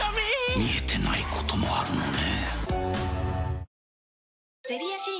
見えてないこともあるのね。